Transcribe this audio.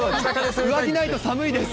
上着ないと寒いです。